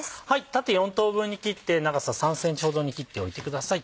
縦４等分に切って長さ３ｃｍほどに切っておいてください。